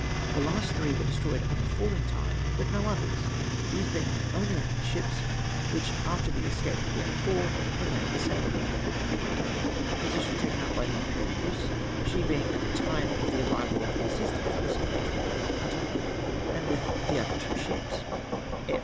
The last three were destroyed on the falling tide, but no others ! These being the only enemy's ships which, after the escape of the othcu' four, remained assailable. E. The position taken up by the Impe'rieuse, she being at the time of the arrival of the assisting force engaged with the Calcutta, and with the other two ships. F.